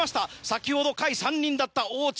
先ほど下位３人だった大地